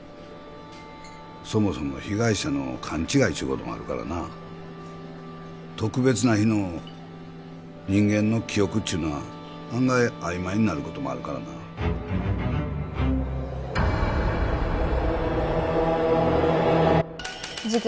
そもそも被害者の勘違いっちゅうこともあるからな特別な日の人間の記憶っちゅうのは案外あいまいになることもあるからな事件